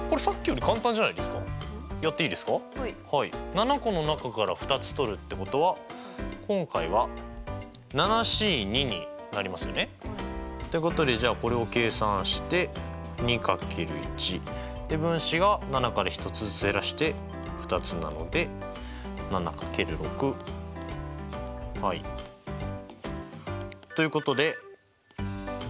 ７個の中から２つとるってことは今回はＣになりますよね。ということでじゃあこれを計算して２掛ける１。で分子が７から１つずつ減らして２つなので７掛ける６はい。ということで２１通りです。